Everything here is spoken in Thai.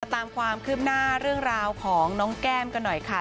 ตามความคืบหน้าเรื่องราวของน้องแก้มกันหน่อยค่ะ